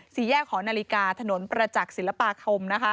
สี่แยกหอนาฬิกาถนนประจักษ์ศิลปาคมนะคะ